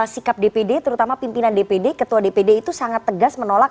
sikap dpd terutama pimpinan dpd ketua dpd itu sangat tegas menolak